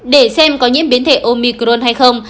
để xem có nhiễm biến thể omicron hay không